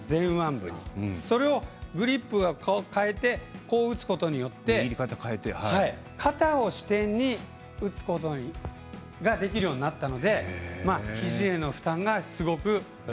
それをグリップを変えてこう打つことによって肩を支点に打つことができるようになったのでひじへの負担がすごく軽減されたというふうに。